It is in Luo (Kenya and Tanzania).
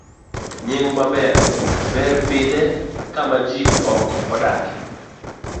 B. Nying maber. Ber pidhe kama ji ok odakie.